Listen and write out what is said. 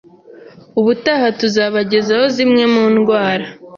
Ubutaha tuzabagezaho zimwe mu ndwara